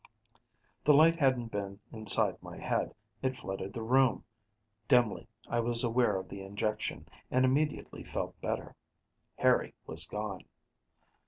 The light hadn't been inside my head: it flooded the room. Dimly, I was aware of the injection, and immediately felt better. Harry was gone.